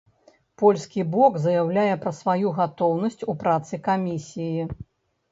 Польскі бок заяўляе пра сваю гатоўнасць у працы камісіі.